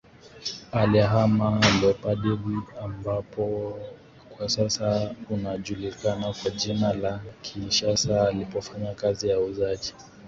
alihamia Léopoldville ambao kwa sasa unajulikana kwa jina la Kinshasa alipofanya kazi ya uuzaji